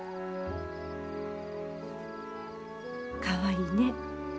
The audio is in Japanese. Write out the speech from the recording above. かわいいね。